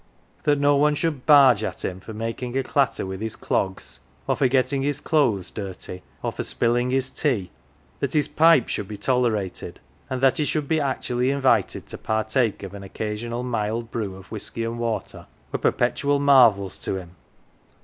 That no one should " barge "" at him for making a clatter with his clogs, or for getting his clothes dirty, or for spilling his 132 "THE GILLY F'ERS" tea; that his pipe should be tolerated, and that he should be actually invited to partake of an occasional mild brew of whisky and water, were perpetual marvels to him.